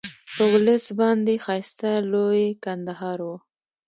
په ولس باندې ښایسته لوی کندهار وو.